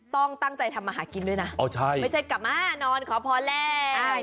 ต้องตั้งใจทำมาหากินด้วยนะไม่ใช่กลับมานอนขอพรแล้ว